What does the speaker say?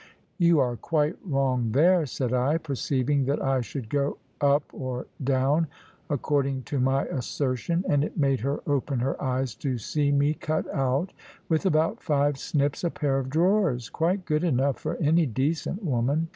"You are quite wrong there," said I, perceiving that I should go up, or down, according to my assertion; and it made her open her eyes to see me cut out, with about five snips, a pair of drawers quite good enough for any decent woman.